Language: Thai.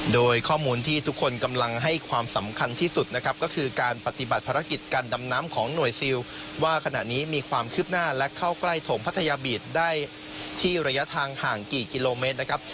โดยข้อมูลที่ทุกคนกำลังให้ความสำคัญที่สุดนะครับก็คือการปฏิบัติภารกิจการดำน้ำของหน่วยซิลว่าขณะนี้มีความคืบหน้าและเข้าใกล้ถมพัทยาบีตได้ที่ระยะทางห่างกี่กิโลเมตรนะครับ